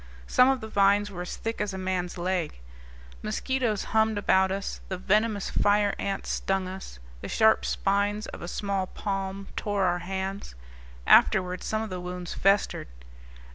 Some of the vines were as thick as a man's leg. Mosquitoes hummed about us, the venomous fire ants stung us, the sharp spines of a small palm tore our hands afterward some of the wounds festered.